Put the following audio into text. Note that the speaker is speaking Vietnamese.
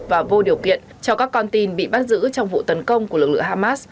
và vô điều kiện cho các con tin bị bắt giữ trong vụ tấn công của lực lượng hamas